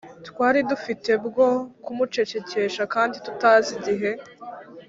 twari dufite bwo kumucecekesha kandi tutazi igihe